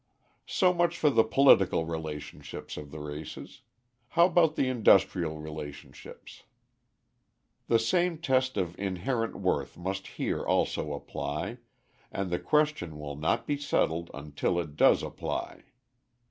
_ So much for the political relationships of the races. How about the industrial relationships? The same test of inherent worth must here also apply, and the question will not be settled until it does apply.